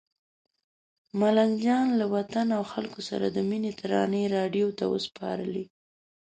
ملنګ جان له وطن او خلکو سره د مینې ترانې راډیو ته وسپارلې.